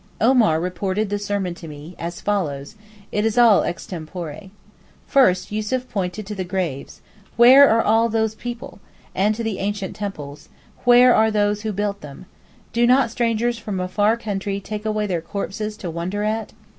Omar reported the sermon to me, as follows (it is all extempore): First Yussuf pointed to the graves, 'Where are all those people?' and to the ancient temples, 'Where are those who built them? Do not strangers from a far country take away their very corpses to wonder at?